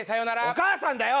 お母さんだよ！